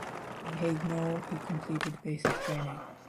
In Haguenau he completed basic training.